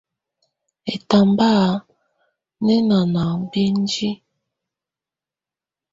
Ɛtamba yɛ ná ŋɔ́ bindiǝ́.